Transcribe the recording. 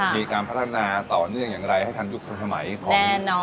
มีการพัฒนาต่อเนื่องอย่างไรให้ทันยุคทันสมัยของ